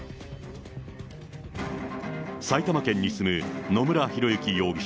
埼玉県に住む野村広之容疑者